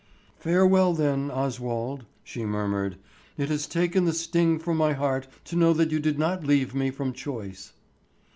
"Farewell, then, Oswald," she murmured. "It has taken the sting from my heart to know that you did not leave me from choice."